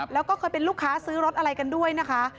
แล้วก็เคยเป็นลูกค้าซื้อรถอะไรกันด้วยนะคะ